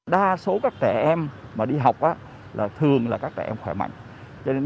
đa số các trẻ em mà đi học thường là các trẻ em khỏe mạnh